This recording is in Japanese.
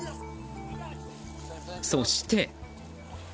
そして。